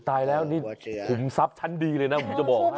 ตัวอ่อนตัวอ่อนขาวจุดแน่